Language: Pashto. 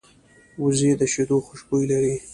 وزې د شیدو خوشبويي لري